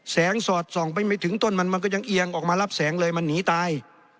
สอดส่องไปไม่ถึงต้นมันมันก็ยังเอียงออกมารับแสงเลยมันหนีตาย